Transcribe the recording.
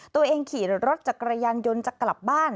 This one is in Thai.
ตัวเองขี่รถจักรยานยนต์จากกลับบ้าน